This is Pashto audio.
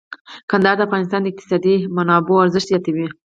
کندهار د افغانستان د اقتصادي منابعو ارزښت زیاتوي.